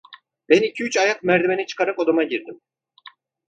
Ben iki üç ayak merdiveni çıkarak odama girdim.